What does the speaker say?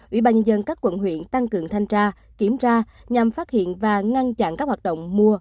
ủy ban nhân dân các quận huyện tăng cường thanh tra kiểm tra nhằm phát hiện và ngăn chặn các hoạt động mua